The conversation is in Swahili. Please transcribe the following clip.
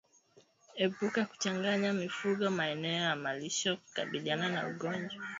Epuka kuchanganya mifugo maeneo yamalisho kukabiliana na ugonjwa